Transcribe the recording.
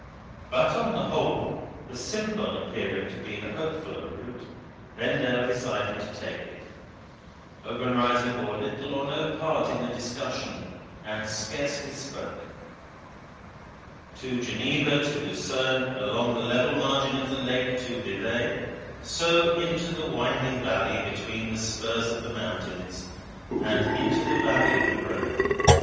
But, on the whole, the Simplon appearing to be the hopefuller route, Vendale decided to take it. Obenreizer bore little or no part in the discussion, and scarcely spoke. To Geneva, to Lausanne, along the level margin of the lake to Vevay, so into the winding valley between the spurs of the mountains, and into the valley of the Rhone.